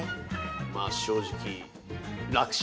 まあ正直楽勝？